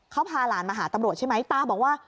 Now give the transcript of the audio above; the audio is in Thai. เขาพาหลานมาหาตำรวจใช่ไหมตาบอกว่า